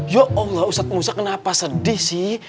ya allah ustadz musa kenapa sedih sih